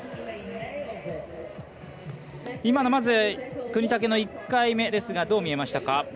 今の國武の１回目ですがどう見えましたか？